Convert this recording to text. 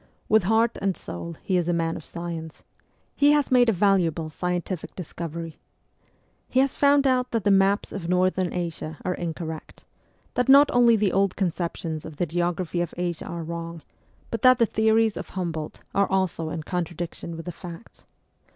With heart and soul he is a man of science ; he has made a valuable scientific discovery. He has found out that the maps of Northern Asia are incorrect ; that not only the old conceptions of the geography of Asia are wrong, but that the theories of Humboldt are also in contradiction with the facts.